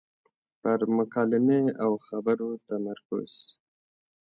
پر مکالمې او خبرو تمرکز.